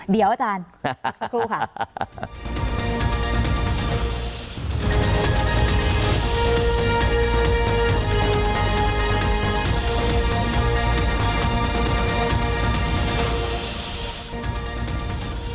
เดี๋ยวอาจารย์พักสักครู่ค่ะ